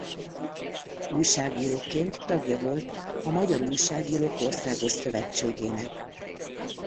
Újságíróként tagja volt a Magyar Újságírók Országos Szövetségének.